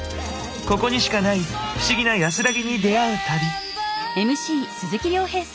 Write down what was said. ここにしかない不思議な安らぎに出会う旅。